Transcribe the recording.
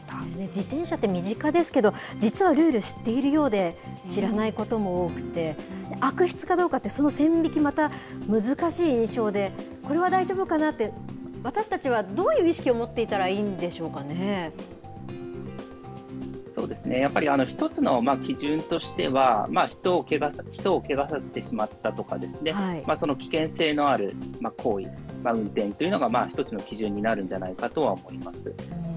自転車って身近ですけど、実はルール知っているようで、知らないことも多くて、悪質かどうかって、その線引き、また難しい印象で、これは大丈夫かなって、私たちはどういう意識を持っていたやっぱり一つの基準としては、人をけがさせてしまったとかですね、危険性のある行為、運転というのが、一つの基準になるんじゃないかとは思います。